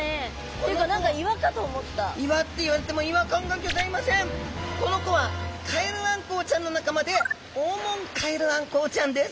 っていうか何かこの子はカエルアンコウちゃんの仲間でオオモンカエルアンコウちゃんです。